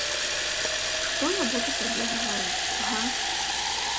Што я буду табе гаварыць, га?